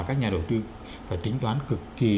các nhà đầu tư phải tính toán cực kì